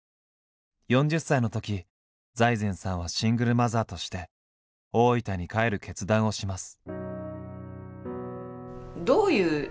４０歳のとき財前さんはシングルマザーとして大分に帰る決断をします。